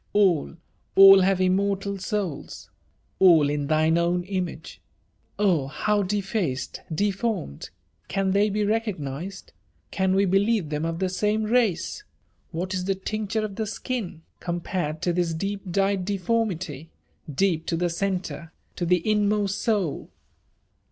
All, all have immortal souls !— >A11 in thine own image !— Oh ! how defaced, deformed! — Can they be recognised? — Can we be« lieve them of the same race? — ^What is the tincture of the skin, com pared to this deep dyed deformity? — deep to the centre, to the inmost soul!"